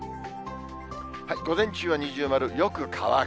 午前中は二重丸、よく乾く。